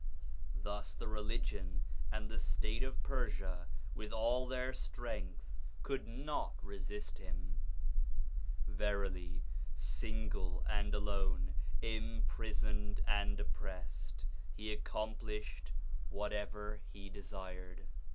Thus the religion and the state of Persia with all their strength could not resist him. Verily, single and alone, imprisoned and oppressed, he accomplished whatever he desired.